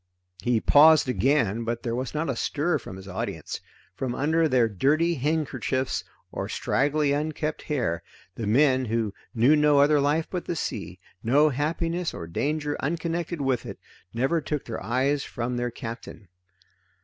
He paused again, but there was not a stir from his audience. From under their dirty headkerchiefs or straggly unkempt hair, the men who knew no other life but the sea, no happiness or danger unconnected with it, never took their eyes from their captain.